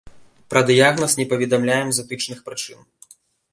Пра дыягназ не паведамляем з этычных прычын.